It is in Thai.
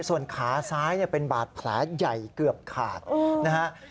ส่วนขาซ้ายเป็นบาดแผลใหญ่เกือบขาดนะฮะ